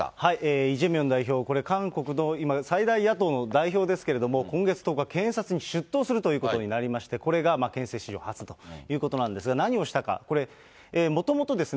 イ・ジェミョン代表、今、最大野党の代表ですけれども、今月１０日、検察に出頭するということになりまして、これが憲政史上初ということなんですが、何をしたか、これ、もともとですね、